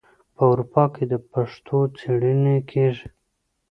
په اروپا کې د پښتو څیړنې کیږي.